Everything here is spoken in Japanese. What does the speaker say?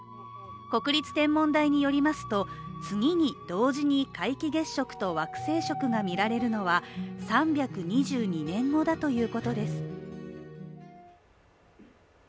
国立天文台によりますと、次に同時に皆既月食と惑星食が見られるのは３２２年後だということです。